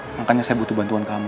makanya saya butuh bantuan kami